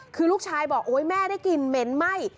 คือลูกชายบอกโอ๊ยแม่ได้กลิ่นเหม็นไหม้